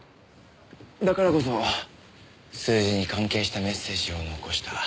だからこそ数字に関係したメッセージを残した。